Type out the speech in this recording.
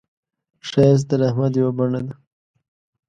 ښایست د رحمت یو بڼه ده